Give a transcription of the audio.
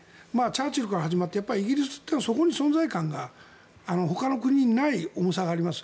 チャーチルから始まってイギリスっていうのはそこに存在感がほかの国にない重さがあります。